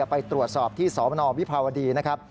ไปตรวจสอบที่สนวิภาวดีนะครับ